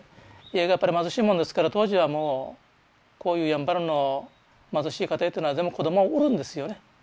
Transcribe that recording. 家がやっぱり貧しいもんですから当時はもうこういうやんばるの貧しい家庭っていうのは全部子供を売るんですよね。